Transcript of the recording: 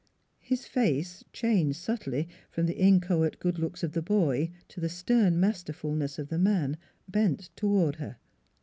" His face, changed subtly from the inchoate good looks of the boy to the stern masterfulness of the man bent toward her.